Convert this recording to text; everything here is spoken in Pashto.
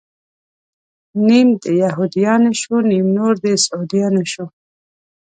نيم د يهود يانو شو، نيم نور د سعوديانو شو